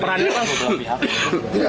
peran apa bang